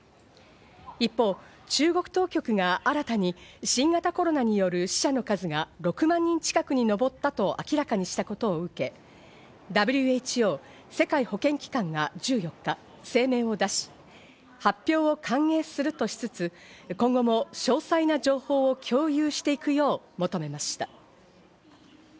一方、中国当局が新たに新型コロナによる死者の数が６万人近くに上ったと明らかにしたことを受け、ＷＨＯ＝世界保健機関が１４日、声明を出し発表を歓迎するとしつつ、今後も詳細な情報を共有していくよう求めました。